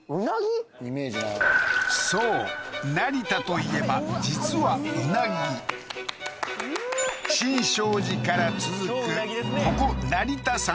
そう成田といえば実はうなぎ新勝寺から続くここ成田山